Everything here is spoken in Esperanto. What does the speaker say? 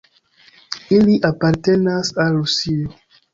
Ili apartenas al Rusio.